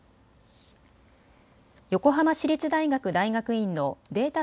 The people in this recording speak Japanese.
横浜市立大学大学院のデータ